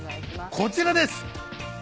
こちらです。